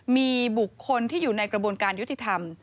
มีบุคคลที่อยู่ในกระบวนการยุติธรรม